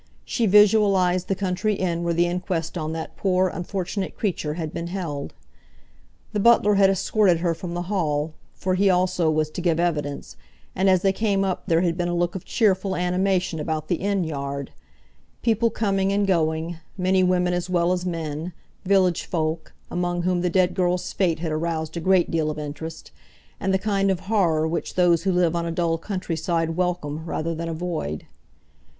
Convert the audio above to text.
She visualised the country inn where the inquest on that poor, unfortunate creature had been held. The butler had escorted her from the Hall, for he also was to give evidence, and as they came up there had been a look of cheerful animation about the inn yard; people coming and going, many women as well as men, village folk, among whom the dead girl's fate had aroused a great deal of interest, and the kind of horror which those who live on a dull countryside welcome rather than avoid.